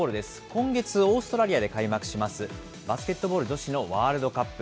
今月、オーストラリアで開幕します、バスケットボール女子のワールドカップ。